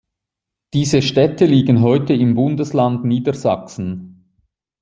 Diese Städte liegen heute im Bundesland Niedersachsen.